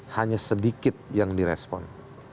hanya sedikit yang direspon